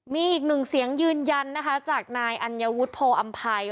มีอีกหนึ่งเสียงยืนยันนะคะจากนายอัญวุฒิโพออำภัย